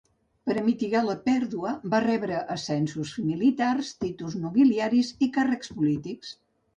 Per a mitigar la pèrdua va rebre ascensos militars, títols nobiliaris i càrrecs polítics.